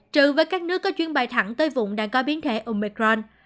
trừ với các nước có chuyên bài thẳng tới vùng đang có biến thể omicron